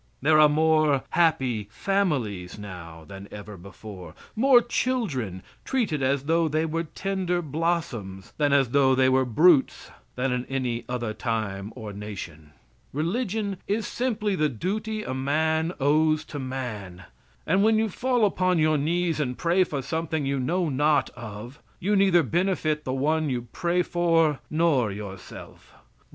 There are more happy families now than ever before more children treated as though they were tender blossoms than as though they were brutes than in any other time or nation. Religion is simply the duty a man owes to man; and when you fall upon your knees and pray for something you know not of, you neither benefit the one you pray for nor yourself.